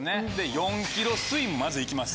４ｋｍスイムまず行きます。